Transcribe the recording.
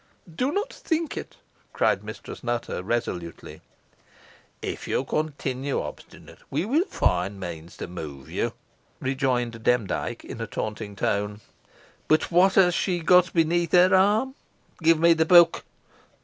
"Do not think it," cried Mistress Nutter, resolutely. "If you continue obstinate, we will find means to move you," rejoined Demdike, in a taunting tone. "But what has she got beneath her arm? Give me the book.